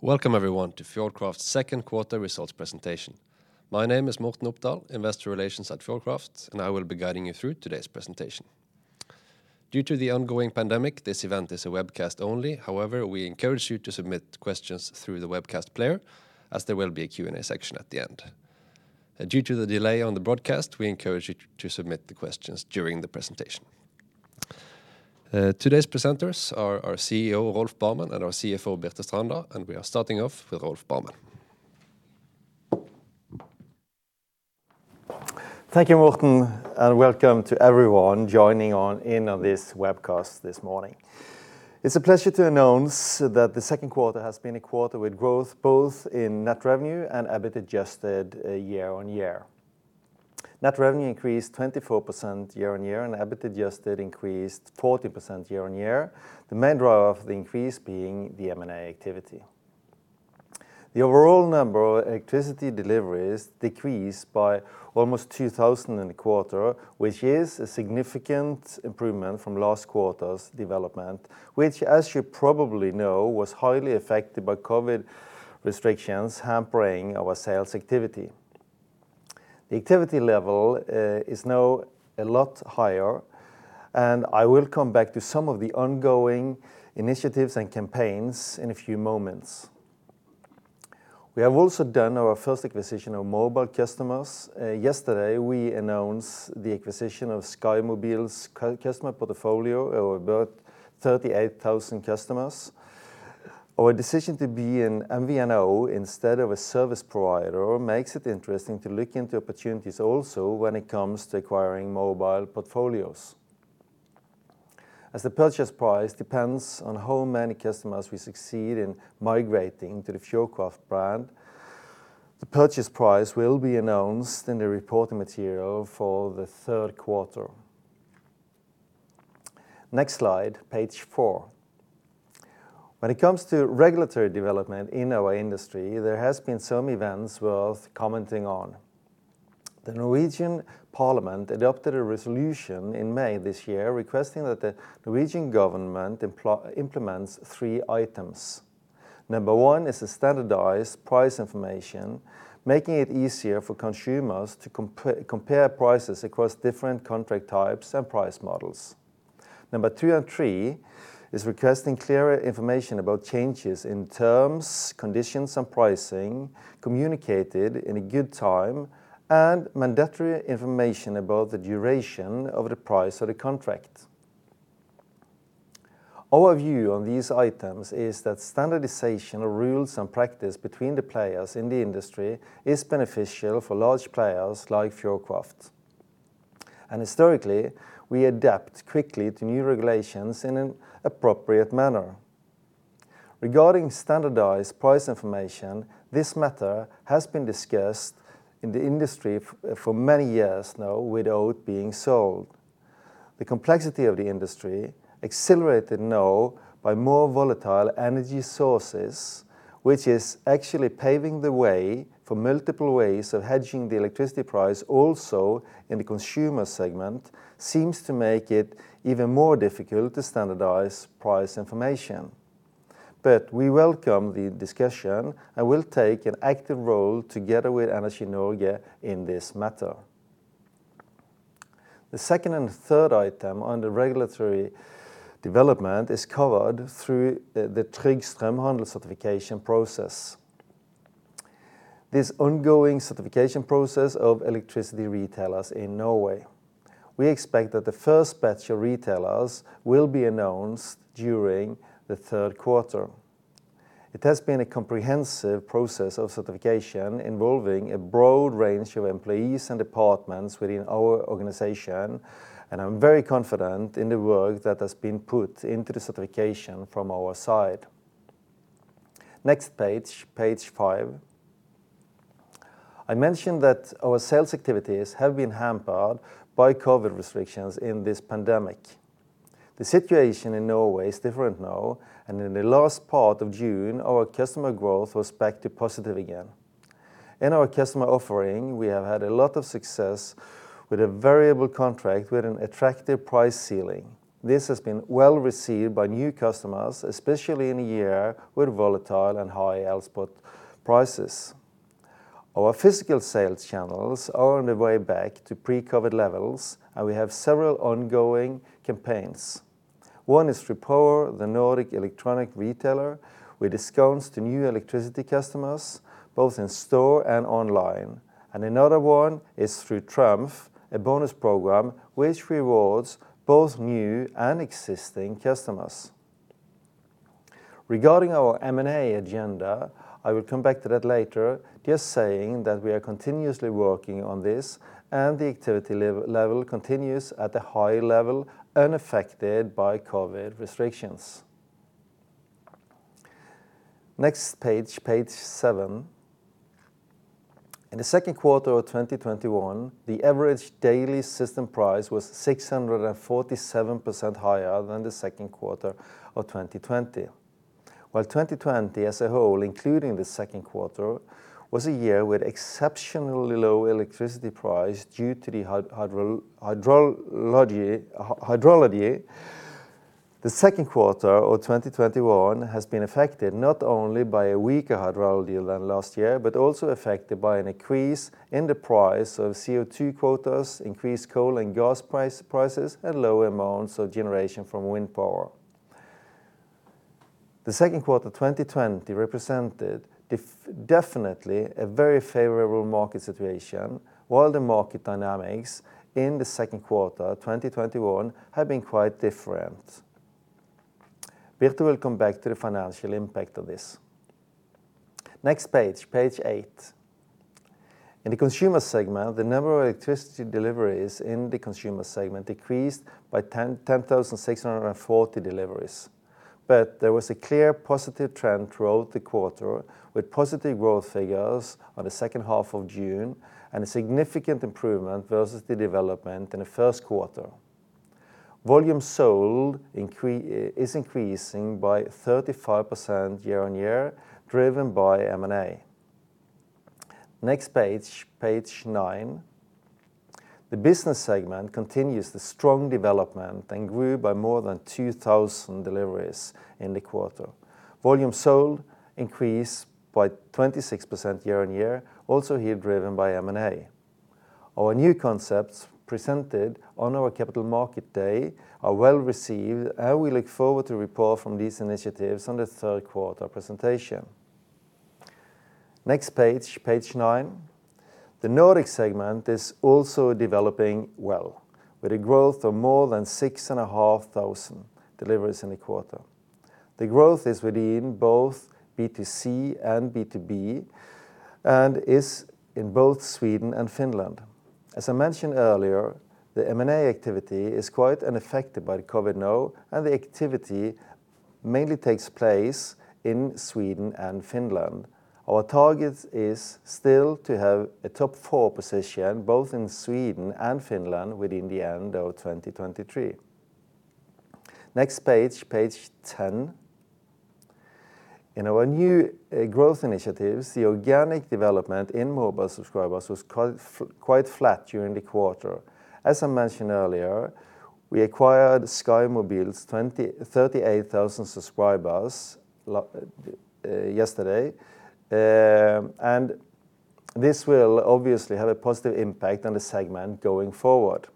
Welcome everyone to Fjordkraft's Second Quarter Results Presentation. My name is Morten Opdal, investor relations at Fjordkraft, and I will be guiding you through today's presentation. Due to the ongoing pandemic, this event is a webcast only. However, we encourage you to submit questions through the webcast player, as there will be a Q&A section at the end. Due to the delay on the broadcast, we encourage you to submit the questions during the presentation. Today's presenters are our CEO, Rolf Barmen, and our CFO, Birte Strander, and we are starting off with Rolf Barmen. Thank you, Morten, and welcome to everyone joining in on this webcast this morning. It's a pleasure to announce that the second quarter has been a quarter with growth both in net revenue and EBIT adjusted year-on-year. Net revenue increased 24% year-on-year, and EBIT adjusted increased 40% year-on-year. The main driver of the increase being the M&A activity. The overall number of electricity deliveries decreased by almost 2,000 in the quarter, which is a significant improvement from last quarter's development, which as you probably know, was highly affected by COVID restrictions hampering our sales activity. The activity level is now a lot higher, and I will come back to some of the ongoing initiatives and campaigns in a few moments. We have also done our first acquisition of mobile customers. Yesterday, we announced the acquisition of Sky mobile's customer portfolio, about 38,000 customers. Our decision to be an MVNO instead of a service provider makes it interesting to look into opportunities also when it comes to acquiring mobile portfolios. As the purchase price depends on how many customers we succeed in migrating to the Fjordkraft brand, the purchase price will be announced in the reporting material for the third quarter. Next slide, page four. When it comes to regulatory development in our industry, there has been some events worth commenting on. The Norwegian Parliament adopted a resolution in May this year requesting that the Norwegian government implements three items. Number one is a standardized price information, making it easier for consumers to compare prices across different contract types and price models. Number two and three is requesting clearer information about changes in terms, conditions, and pricing communicated in a good time, and mandatory information about the duration of the price of the contract. Our view on these items is that standardization of rules and practice between the players in the industry is beneficial for large players like Fjordkraft. Historically, we adapt quickly to new regulations in an appropriate manner. Regarding standardized price information, this matter has been discussed in the industry for many years now without being solved. The complexity of the industry, accelerated now by more volatile energy sources, which is actually paving the way for multiple ways of hedging the electricity price also in the consumer segment, seems to make it even more difficult to standardize price information. We welcome the discussion and will take an active role together with Energi Norge in this matter. The second and third item on the regulatory development is covered through the Trygg Strømhandel certification process. This ongoing certification process of electricity retailers in Norway. We expect that the first batch of retailers will be announced during the third quarter. It has been a comprehensive process of certification involving a broad range of employees and departments within our organization, and I'm very confident in the work that has been put into the certification from our side. Next page five. I mentioned that our sales activities have been hampered by COVID restrictions in this pandemic. The situation in Norway is different now. In the last part of June, our customer growth was back to positive again. In our customer offering, we have had a lot of success with a variable contract with an attractive price ceiling. This has been well-received by new customers, especially in a year with volatile and high elspot prices. Our physical sales channels are on their way back to pre-COVID levels. We have several ongoing campaigns. One is through Power, the Nordic electronics retailer, with discounts to new electricity customers, both in store and online. Another one is through Trumf, a bonus program which rewards both new and existing customers. Regarding our M&A agenda, I will come back to that later. Just saying that we are continuously working on this, and the activity level continues at a high level, unaffected by COVID restrictions. Next page seven. In the second quarter of 2021, the average daily system price was 647% higher than the second quarter of 2020. While 2020 as a whole, including the second quarter, was a year with exceptionally low electricity price due to the hydrology, the second quarter of 2021 has been affected not only by a weaker hydrology than last year, but also affected by an increase in the price of CO2 quotas, increased coal and gas prices, and low amounts of generation from wind power. The second quarter 2020 represented definitely a very favorable market situation, while the market dynamics in the second quarter 2021 have been quite different. Birte will come back to the financial impact of this. Next page eight. In the consumer segment, the number of electricity deliveries in the consumer segment decreased by 10,640 deliveries. There was a clear positive trend throughout the quarter, with positive growth figures on the second half of June, and a significant improvement versus the development in the first quarter. Volume sold is increasing by 35% year-on-year, driven by M&A. Next page 9. The business segment continues the strong development and grew by more than 2,000 deliveries in the quarter. Volume sold increased by 26% year-on-year, also here driven by M&A. Our new concepts presented on our capital market day are well-received, and we look forward to report from these initiatives on the third quarter presentation. Next page 9. The Nordic segment is also developing well, with a growth of more than 6,500 deliveries in the quarter. The growth is within both B2C and B2B, and is in both Sweden and Finland. As I mentioned earlier, the M&A activity is quite unaffected by the COVID now, and the activity mainly takes place in Sweden and Finland. Our target is still to have a top four position both in Sweden and Finland within the end of 2023. Next page 10. In our new growth initiatives, the organic development in mobile subscribers was quite flat during the quarter. As I mentioned earlier, we acquired Sky mobile's 38,000 subscribers yesterday. This will obviously have a positive impact on the segment going forward.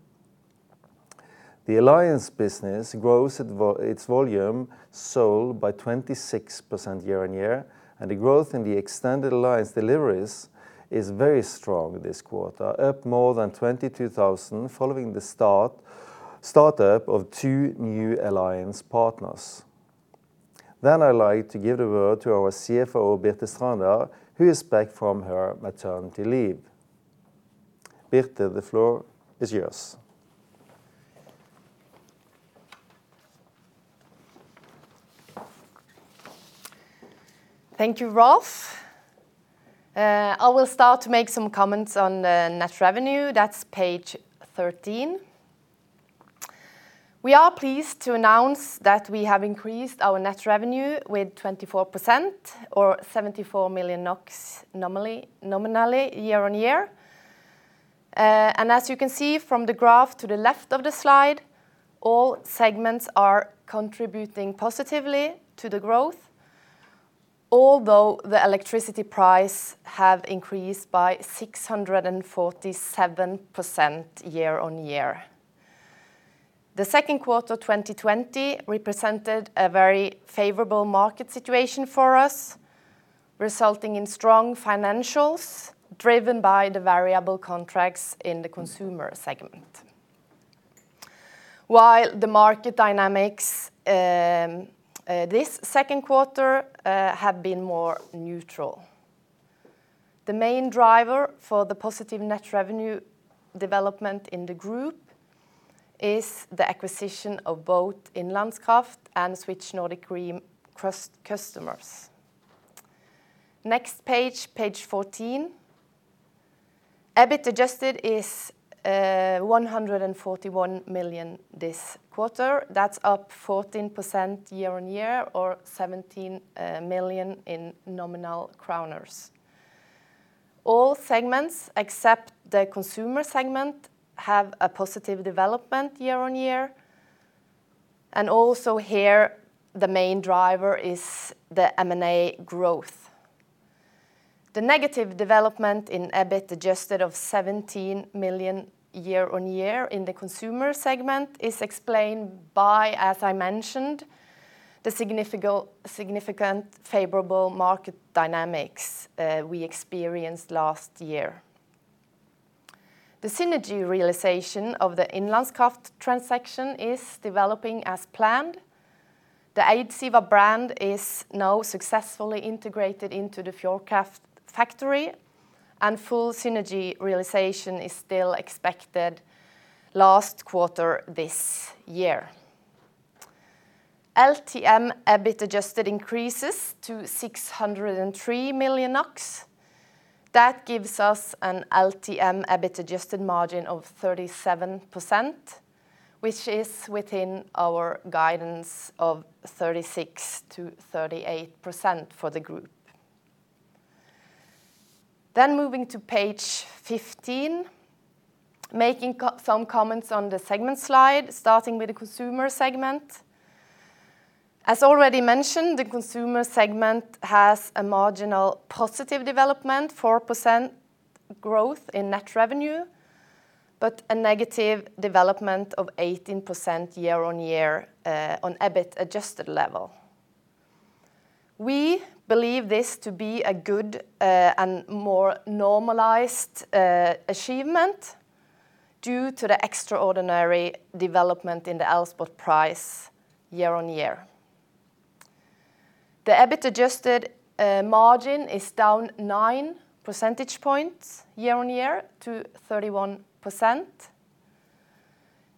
The alliance business grows its volume sold by 26% year-on-year, and the growth in the extended alliance deliveries is very strong this quarter, up more than 22,000 following the start-up of two new alliance partners. I'd like to give the word to our CFO, Birte Strander, who is back from her maternity leave. Birte, the floor is yours. Thank you, Rolf. I will start to make some comments on the net revenue. That's page 13. We are pleased to announce that we have increased our net revenue with 24%, or NOK 74 million nominally year-on-year. As you can see from the graph to the left of the slide, all segments are contributing positively to the growth, although the electricity price have increased by 647% year-on-year. The second quarter 2020 represented a very favorable market situation for us, resulting in strong financials driven by the variable contracts in the consumer segment, while the market dynamics this second quarter have been more neutral. The main driver for the positive net revenue development in the group is the acquisition of both Innlandskraft and Switch Nordic Green customers. Next page 14. EBIT adjusted is 141 million this quarter. That's up 14% year-on-year, or 17 million in nominal kroners. All segments, except the consumer segment, have a positive development year-on-year. Also here, the main driver is the M&A growth. The negative development in EBIT adjusted of 17 million year-on-year in the consumer segment is explained by, as I mentioned, the significant favorable market dynamics we experienced last year. The synergy realization of the Innlandskraft transaction is developing as planned. The Eidsiva brand is now successfully integrated into the Fjordkraft factory. Full synergy realization is still expected last quarter this year. LTM EBIT adjusted increases to 603 million. That gives us an LTM EBIT adjusted margin of 37%, which is within our guidance of 36%-38% for the group. Moving to page 15, making some comments on the segment slide, starting with the consumer segment. As already mentioned, the consumer segment has a marginal positive development, 4% growth in net revenue, but a negative development of 18% year-on-year on EBIT adjusted level. We believe this to be a good and more normalized achievement due to the extraordinary development in the elspot price year-on-year. The EBIT adjusted margin is down nine percentage points year-on-year to 31%.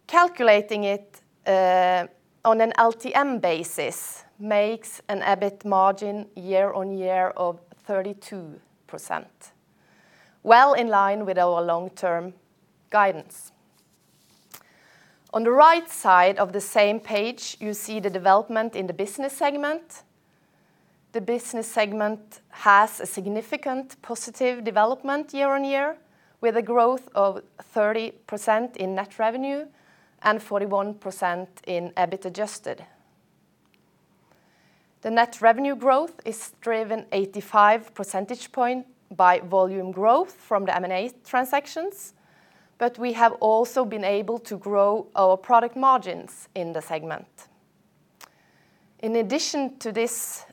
Calculating it on an LTM basis makes an EBIT margin year-on-year of 32%, well in line with our long-term guidance. On the right side of the same page, you see the development in the business segment. The business segment has a significant positive development year-on-year with a growth of 30% in net revenue and 41% in EBIT adjusted. The net revenue growth is driven 85 percentage point by volume growth from the M&A transactions, but we have also been able to grow our product margins in the segment. In addition to this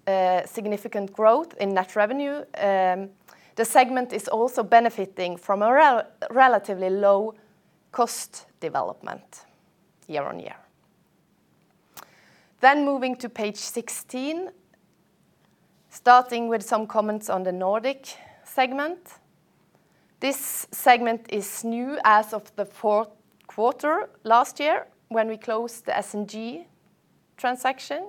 significant growth in net revenue, the segment is also benefiting from a relatively low cost development year-on-year. Moving to page 16, starting with some comments on the Nordic segment. This segment is new as of the fourth quarter last year when we closed the SNG transaction,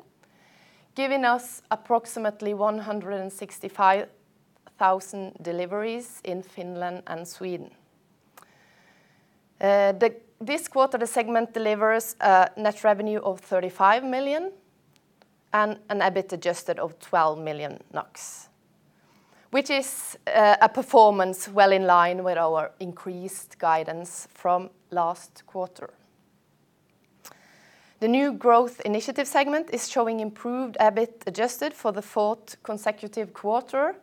giving us approximately 165,000 deliveries in Finland and Sweden. This quarter, the segment delivers net revenue of 35 million and an EBIT adjusted of 12 million NOK, which is a performance well in line with our increased guidance from last quarter. The new growth initiative segment is showing improved EBIT adjusted for the fourth consecutive quarter.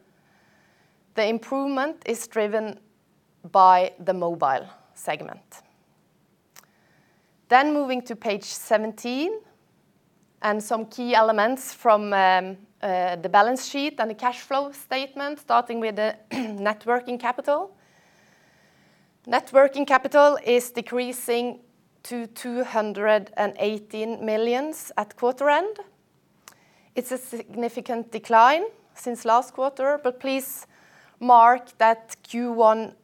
The improvement is driven by the mobile segment. Moving to page 17 and some key elements from the balance sheet and the cash flow statement, starting with the net working capital. Net working capital is decreasing to 218 million at quarter end. It's a significant decline since last quarter. Please mark that Q1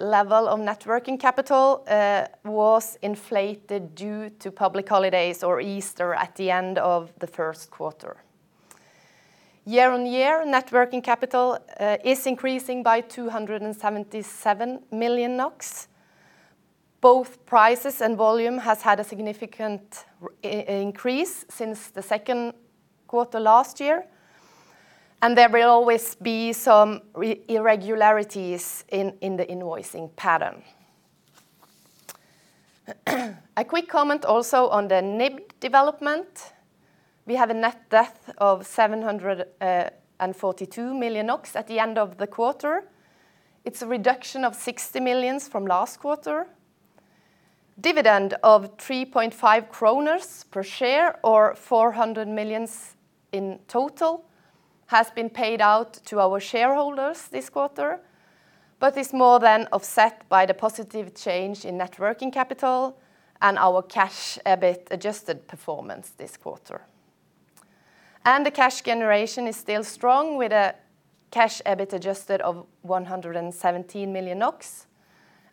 level of net working capital was inflated due to public holidays or Easter at the end of the first quarter. Year-on-year, net working capital is increasing by 277 million NOK. Both prices and volume has had a significant increase since the second quarter last year, and there will always be some irregularities in the invoicing pattern. A quick comment also on the NIBD development. We have a net debt of 742 million NOK at the end of the quarter. It's a reduction of 60 million from last quarter. Dividend of 3.5 kroner per share or 400 million in total has been paid out to our shareholders this quarter, but is more than offset by the positive change in net working capital and our cash EBIT adjusted performance this quarter. The cash generation is still strong with a cash EBIT adjusted of 117 million NOK,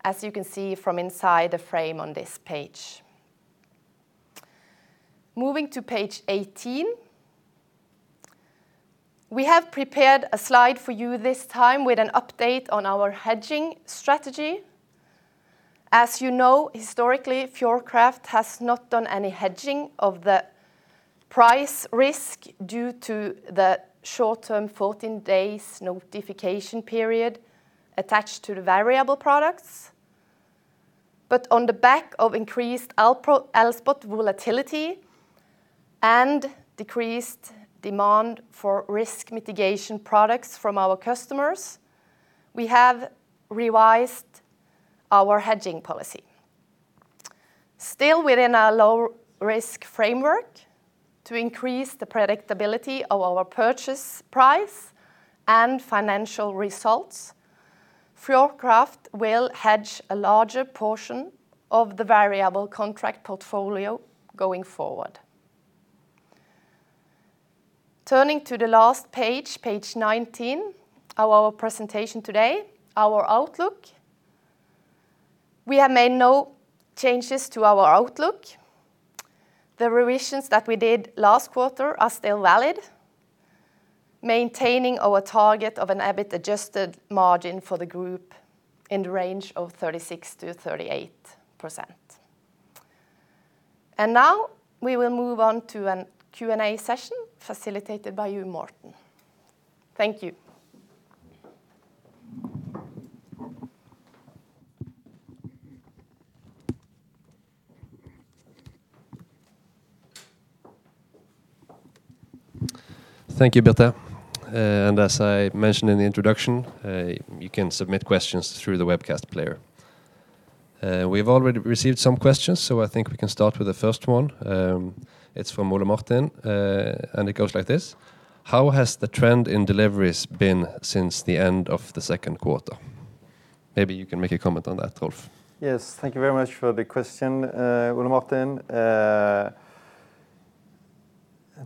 as you can see from inside the frame on this page. Moving to page 18. We have prepared a slide for you this time with an update on our hedging strategy. As you know, historically, Fjordkraft has not done any hedging of the price risk due to the short-term 14 days notification period attached to the variable products. On the back of increased elspot volatility and decreased demand for risk mitigation products from our customers, we have revised our hedging policy. Still within a low-risk framework to increase the predictability of our purchase price and financial results, Fjordkraft will hedge a larger portion of the variable contract portfolio going forward. Turning to the last page 19, of our presentation today, our outlook. We have made no changes to our outlook. The revisions that we did last quarter are still valid, maintaining our target of an EBIT adjusted margin for the group in the range of 36%-38%. Now we will move on to a Q&A session facilitated by you, Morten. Thank you. Thank you, Birte. As I mentioned in the introduction, you can submit questions through the webcast player. We've already received some questions. I think we can start with the 1st one. It's from Ole Martin. It goes like this: How has the trend in deliveries been since the end of the second quarter? Maybe you can make a comment on that, Rolf. Yes. Thank you very much for the question, Ole Martin.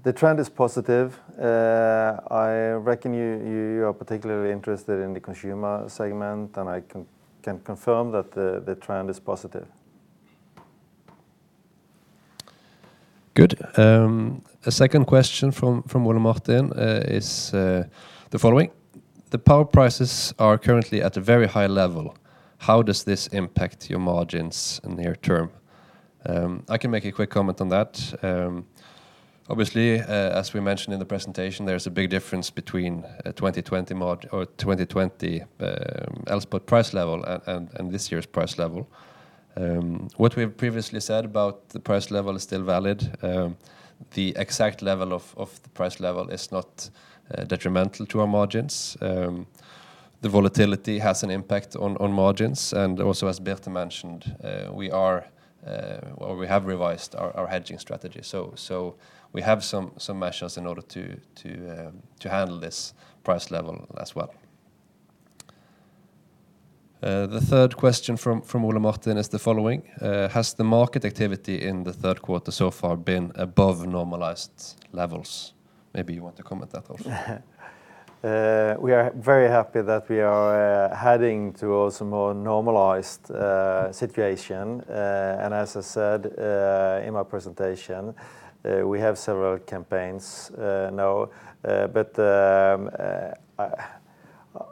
The trend is positive. I reckon you are particularly interested in the consumer segment, and I can confirm that the trend is positive. Good. A second question from Ole Martin is the following: The power prices are currently at a very high level. How does this impact your margins in the near term? I can make a quick comment on that. Obviously, as we mentioned in the presentation, there's a big difference between 2020 elspot price level and this year's price level. What we have previously said about the price level is still valid. The exact level of the price level is not detrimental to our margins. The volatility has an impact on margins. Also as Birte mentioned, we have revised our hedging strategy. We have some measures in order to handle this price level as well. The third question from Ole Martin is the following: Has the market activity in the third quarter so far been above normalized levels? Maybe you want to comment that also. We are very happy that we are heading towards a more normalized situation. As I said in my presentation, we have several campaigns now, but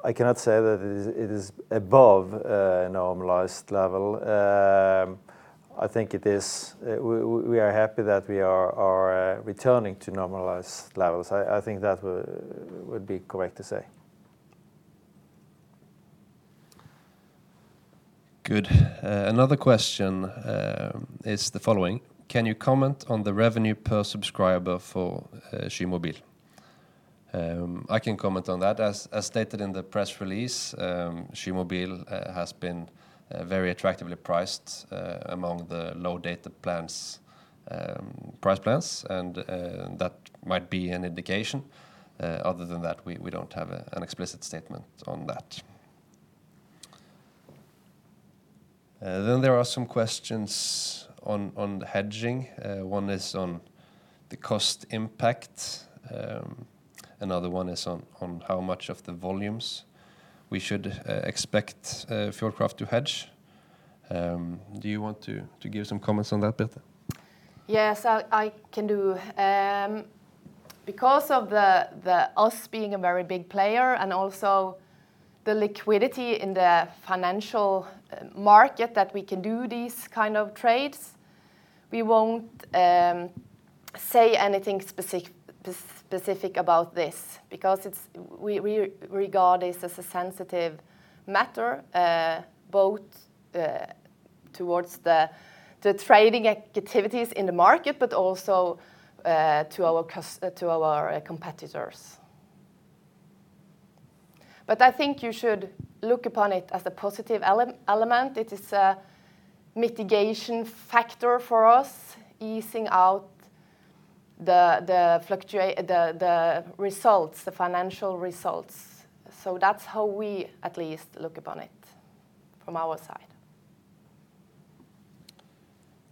I cannot say that it is above a normalized level. We are happy that we are returning to normalized levels. I think that would be correct to say. Good. Another question is the following: Can you comment on the revenue per subscriber for Fjordkraft Mobil? I can comment on that. As stated in the press release, Fjordkraft Mobil has been very attractively priced among the low data price plans, that might be an indication. Other than that, we don't have an explicit statement on that. There are some questions on the hedging. One is on the cost impact. Another one is on how much of the volumes we should expect Fjordkraft to hedge. Do you want to give some comments on that, Birte? Yes, I can do. Because of us being a very big player and also the liquidity in the financial market that we can do these kind of trades, we won't say anything specific about this because we regard this as a sensitive matter both towards the trading activities in the market, but also to our competitors. I think you should look upon it as a positive element. It is a mitigation factor for us, easing out the financial results. That's how we at least look upon it from our side.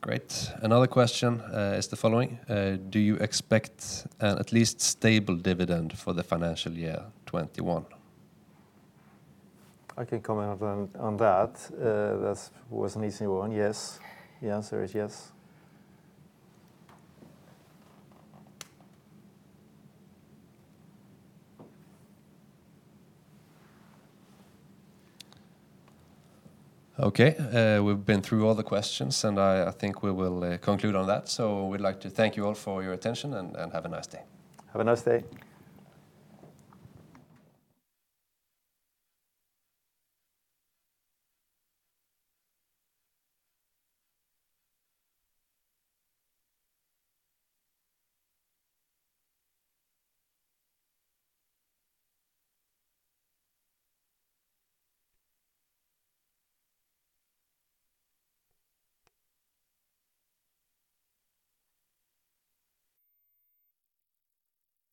Great. Another question is the following: Do you expect an at least stable dividend for the financial year 2021? I can comment on that. That was an easy one. Yes. The answer is yes. Okay. We've been through all the questions, and I think we will conclude on that. We'd like to thank you all for your attention, and have a nice day. Have a nice day.